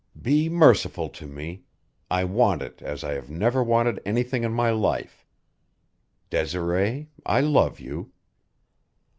"Be merciful to me I want it as I have never wanted anything in my life. Desiree, I love you."